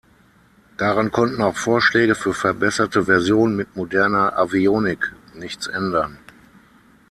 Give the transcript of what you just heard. Daran konnten auch Vorschläge für verbesserte Versionen mit moderner Avionik nichts ändern.